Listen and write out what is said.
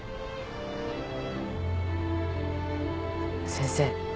先生。